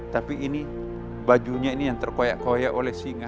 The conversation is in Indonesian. tapi ini bajunya ini yang terkoyak koyak oleh singa